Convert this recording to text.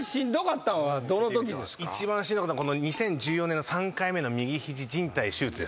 一番しんどかったのは２０１４年の３回目の右肘靱帯手術ですね。